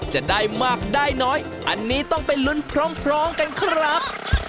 จะได้มากได้น้อยอันนี้ต้องไปลุ้นพร้อมกันครับ